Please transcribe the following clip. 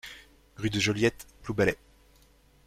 Rue de Joliet, Ploubalay